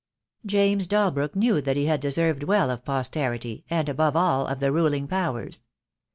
James Dalbrook knew that he had deserved well of posterity, and, above all, of the ruling powers.